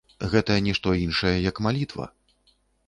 Гэта нішто іншае, як малітва!